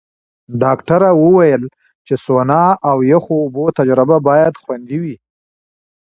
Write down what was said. ډاکټره وویل چې سونا او یخو اوبو تجربه باید خوندي وي.